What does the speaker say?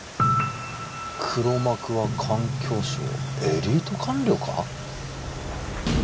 「黒幕は環境省エリート官僚か？」